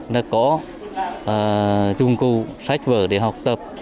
để các em có dung cư sách vở để học tập